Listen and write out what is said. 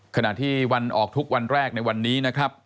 ขณะที่วันออกทุกวันแรกในวันนี้นะครับ